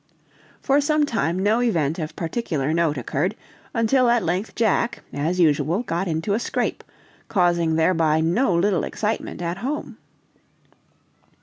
For some time no event of particular note occurred, until at length Jack, as usual, got into a scrape, causing thereby no little excitement at home.